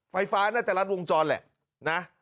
ไฟฟ้าน่าจะรัดวงจรแหละนะ